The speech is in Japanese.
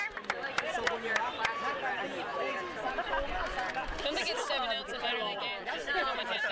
そこには仲のいいおじいさんとおばあさんがシロと名付けた犬と暮らしておりました。